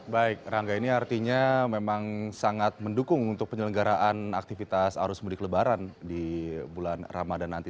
baik rangga ini artinya memang sangat mendukung untuk penyelenggaraan aktivitas arus mudik lebaran di bulan ramadan nanti